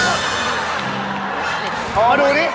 อะเดี๋ยวดูดิ